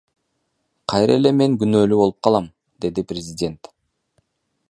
Кайра эле мен күнөөлүү болуп калам, — деди президент.